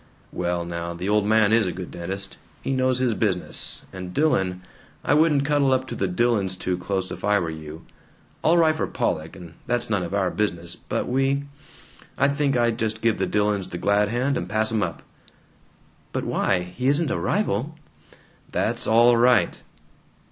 "Well now, the old man is a good dentist. He knows his business. And Dillon I wouldn't cuddle up to the Dillons too close, if I were you. All right for Pollock, and that's none of our business, but we I think I'd just give the Dillons the glad hand and pass 'em up." "But why? He isn't a rival." "That's all right!"